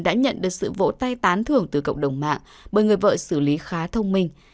đã nhận được sự vỗ tay tán thưởng từ cộng đồng mạng bởi người vợ xử lý khá thông minh